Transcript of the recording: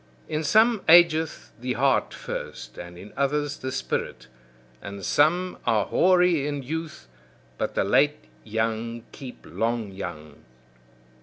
In some ageth the heart first, and in others the spirit. And some are hoary in youth, but the late young keep long young.